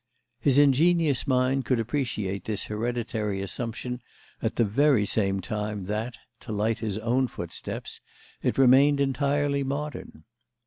His ingenious mind could appreciate this hereditary assumption at the very same time that, to light his own footsteps, it remained entirely modern.